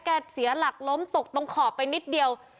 เสียหลักล้มตกตรงขอบไปนิดเดียว